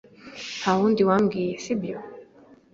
Ntawundi wabwiye, sibyo?